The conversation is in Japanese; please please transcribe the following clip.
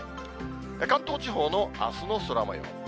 関東地方のあすの空もよう。